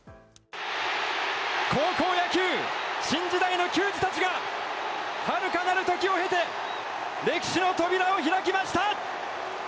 高校野球新時代の球児たちがはるかなる時を経て歴史の扉を開きました！